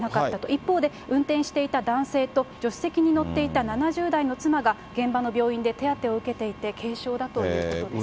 一方で、運転していた男性と助手席に乗っていた７０代の妻が、現場の病院で手当てを受けていて、軽傷だということです。